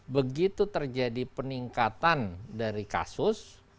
begitu terjadi peningkatan dari kasus